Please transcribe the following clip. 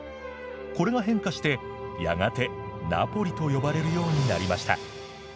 これが変化してやがて「ナポリ」と呼ばれるようになりました。